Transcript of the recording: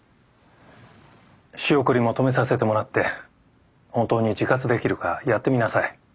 仕送りも止めさせてもらって本当に自活できるかやってみなさい。